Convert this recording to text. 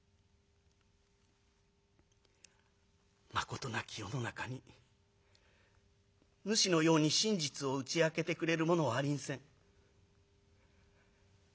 「まことなき世の中にぬしのように真実を打ち明けてくれる者はありんせん。